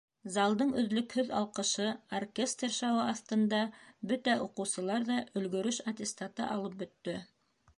Залдың өҙлөкһөҙ алҡышы, оркестр шауы аҫтында бөтә уҡыусылар ҙа өлгөрөш аттестаты алып бөттө.